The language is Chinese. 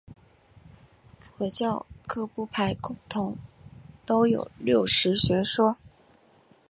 佛教各部派共同都有六识的学说。